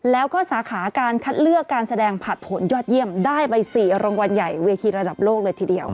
แล้วก็สาขาการคัดเลือกการแสดงผัดผลยอดเยี่ยมได้ไป๔รางวัลใหญ่เวทีระดับโลกเลยทีเดียว